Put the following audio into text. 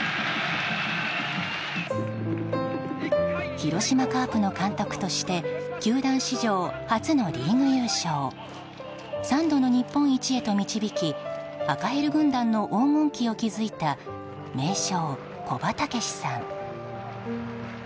広島カープの監督として球団史上初のリーグ優勝３度の日本一へと導き赤ヘル軍団の黄金期を築いた名将・古葉竹識さん。